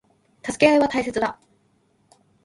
助け合いは大切だ。